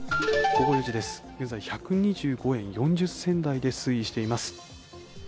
現在１２５円４０銭台で推移しています